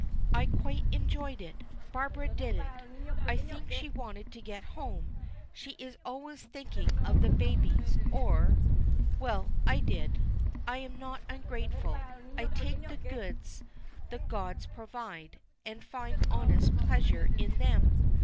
"I quite enjoyed it. Barbara didn't. I think she wanted to get home she is always thinking of the babies or Well, I did. I am not ungrateful. I take the goods the gods provide, and find honest pleasure in them.